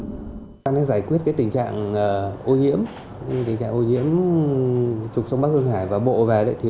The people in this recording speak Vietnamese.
chúng ta giải quyết tình trạng ô nhiễm trục sông bắc hưng hải